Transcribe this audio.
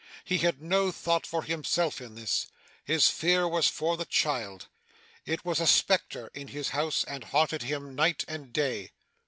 He had no thought for himself in this. His fear was for the child. It was a spectre in his house, and haunted him night and day.